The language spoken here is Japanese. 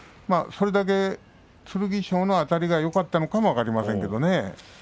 それだけ剣翔のあたりがよかったのかも分かりませんけれどね。